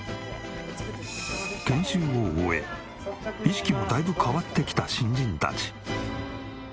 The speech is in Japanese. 研修を終え意識もだいぶ変わってきた新人たち。